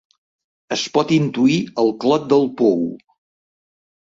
Es pot intuir el clot del pou.